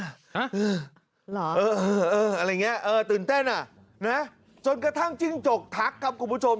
อะไรอย่างนี้ตื่นเต้นอ่ะจนกระทั่งจิ้งจกทักครับคุณผู้ชม